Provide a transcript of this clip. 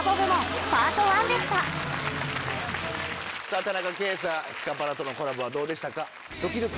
さぁ田中圭さんスカパラとのコラボはどうでしたか？